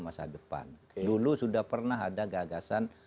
masa depan dulu sudah pernah ada gagasan